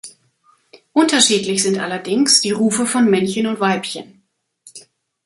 Unterschiedlich sind allerdings die Rufe von Männchen und Weibchen.